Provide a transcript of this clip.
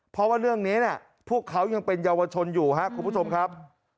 เพราะว่าเรื่องนี้เนี่ยพวกเขายังเป็นเยาวชนอยู่ครับคุณผู้ชมครับ